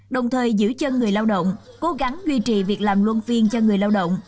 đồng thời giữ chân người lao động cố gắng duy trì việc làm luân phiên cho người lao động